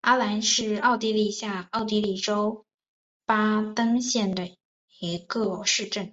阿兰是奥地利下奥地利州巴登县的一个市镇。